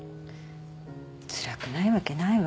つらくないわけないわ。